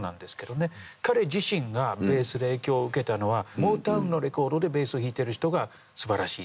彼自身がベースで影響を受けたのはモータウンのレコードでベースを弾いている人がすばらしいっていう。